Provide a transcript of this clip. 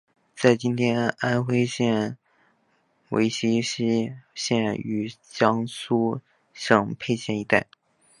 在今天安微省睢溪县与江苏省沛县一带。